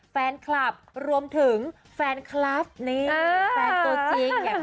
แฟนคลับรวมถึงแฟนคลับนี่แฟนตัวจริง